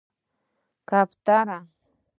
🕊 کفتره